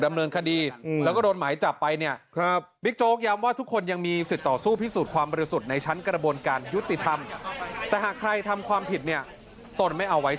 มีการเข้าขนอีกหลายส่วน